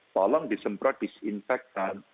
tolong disemprot disinfektan